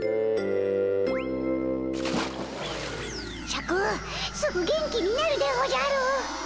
シャクすぐ元気になるでおじゃる。